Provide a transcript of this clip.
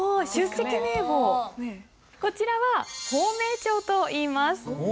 こちらは芳名帳といいます。